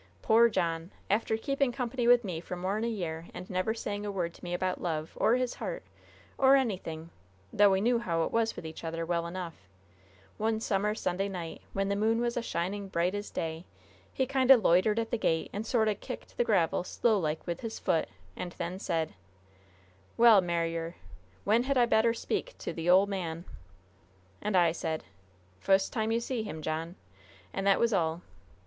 poor John, after keeping company with me for more'n a year, and never saying a word to me about love, or his heart, or anything, though we knew how it was with each other well enough, one summer Sunday night, when the moon was a shining bright as day, he kind o' loitered at the gate, and sort o' kicked the gravel slowlike with his foot, and then said: "'Well, Marier, when hed I better speak to the ole man?' "And I said: 'Fust time you see him, John.' And that was all.